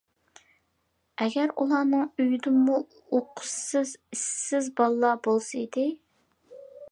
ئەگەر ئۇلارنىڭ ئۆيىدىمۇ ئوقۇشسىز، ئىشسىز بالىلار بولسا ئىدى.